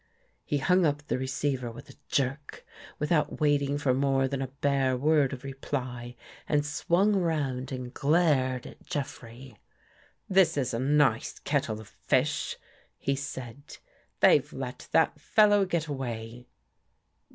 " He hung up the receiver with a jerk, without waiting for more than a bare word of reply and swung round and glared at Jeffrey. '' This is a nice kettle of fish," he said. They've let that fellow get away."